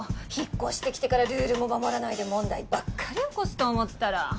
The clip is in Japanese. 引っ越してきてからルールも守らないで問題ばっかり起こすと思ったら。